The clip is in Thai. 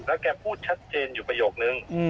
แล้วแกพูดชัดเจนอยู่ประโยคนึง